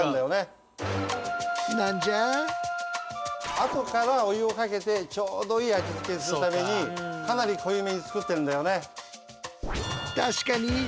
あとからお湯をかけてちょうどいい味付けにするためにかなり濃いめに作ってるんだよね。